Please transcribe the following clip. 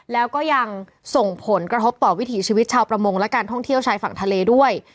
แล้วก็ยังส่งผลกระทบต่อวิถีชีวิตชาวประมงและการท่องเที่ยวชายฝั่งทะเลด้วย